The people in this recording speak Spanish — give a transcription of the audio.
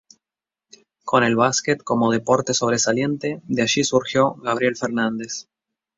Con el básquet como deporte sobresaliente, de allí surgió Gabriel Fernández.